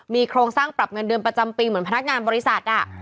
มีโครงสร้างปรับเงินเดือนประจำปีเหมือนพนักงานบริษัท